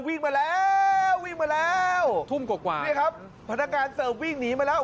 วิ่งมาแล้ววิ่งมาแล้วทุ่มกว่าเนี่ยครับพนักงานเสิร์ฟวิ่งหนีมาแล้ว